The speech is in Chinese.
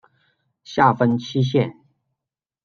下分七县。